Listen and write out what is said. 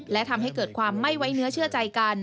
และทำให้เกิดความไม่ไว้เนื้อเชื่อใจกัน